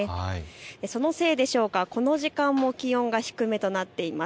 そのせいでしょうか、この時間も気温が低めとなっています。